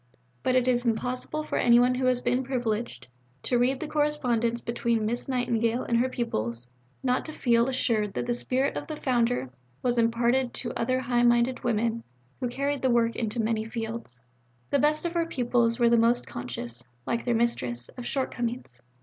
But it is impossible for anyone who has been privileged to read the correspondence between Miss Nightingale and her pupils not to feel assured that the spirit of the Founder was imparted to other high minded women who carried the work into many fields. The best of her pupils were the most conscious, like their Mistress, of shortcomings.